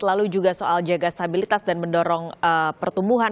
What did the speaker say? lalu juga soal jaga stabilitas dan mendorong pertumbuhan